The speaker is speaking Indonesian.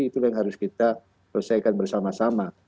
itu yang harus kita selesaikan bersama sama